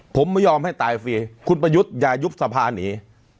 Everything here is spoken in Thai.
ผมไม่ยอมให้ตายฟรีคุณประยุทธ์อย่ายุบสภาหนี